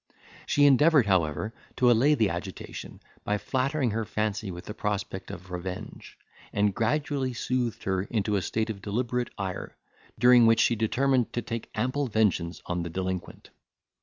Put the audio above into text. She endeavoured, however, to allay the agitation, by flattering her fancy with the prospect of revenge, and gradually soothed her into a state of deliberate ire; during which she determined to take ample vengeance on the delinquent.